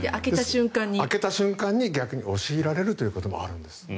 開けた瞬間に逆に押し入られることもあるんです。